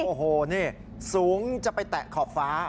โอ้โหนี่สูงจะไปแตะขอบฟ้า